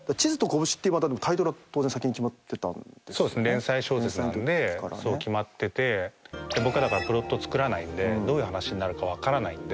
連載小説なんで決まってて僕はだからプロット作らないんでどういう話になるか分からないんで。